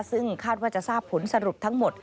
ซึ่งคาดว่าจะทราบผลสรุปทั้งหมด